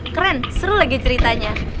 keren seru lagi ceritanya